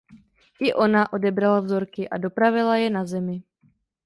I ona odebrala vzorky a dopravila je na Zemi.